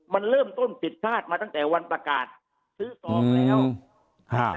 มันเริ่มต้นผิดพลาดมาตั้งแต่วันประกาศซื้อซองแล้วอ่า